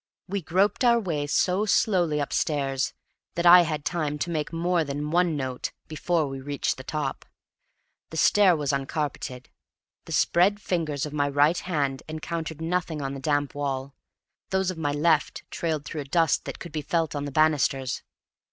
We groped our way so slowly upstairs that I had time to make more than one note before we reached the top. The stair was uncarpeted. The spread fingers of my right hand encountered nothing on the damp wall; those of my left trailed through a dust that could be felt on the banisters.